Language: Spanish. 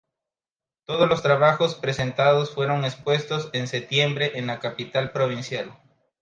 Todos los trabajos presentados fueron expuestos en septiembre en la capital provincial.